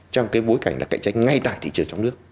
trong cái bối cảnh là cạnh tranh ngay tại thị trường trong nước